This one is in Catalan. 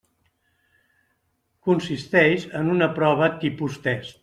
Consisteix en una prova tipus test.